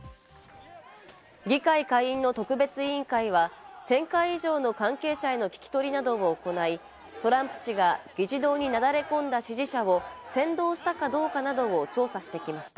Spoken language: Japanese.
議会下院の特別委員会は１０００回以上の関係者への聞き取りなどを行い、トランプ氏が議事堂になだれ込んだ支持者を扇動したかどうかなどを調査してきました。